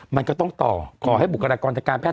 มันก็ต้องต่อขอให้บุคลากรทางการแพทย